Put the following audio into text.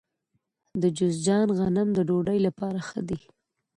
د جوزجان غنم د ډوډۍ لپاره ښه دي.